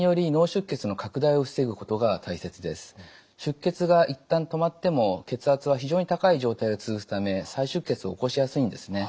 出血が一旦止まっても血圧は非常に高い状態が続くため再出血を起こしやすいんですね。